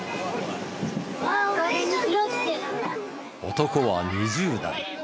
男は２０代。